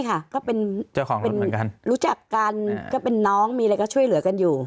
ไม่ค่ะก็เป็นรู้จักกันก็เป็นน้องมีอะไรก็ช่วยเหลือกันอยู่